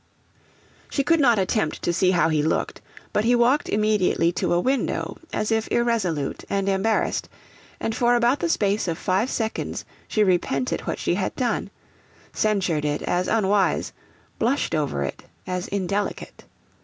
She could not attempt to see how he looked, but he walked immediately to a window as if irresolute and embarrassed, and for about the space of five seconds she repented what she had done censured it as unwise, blushed over it as indelicate.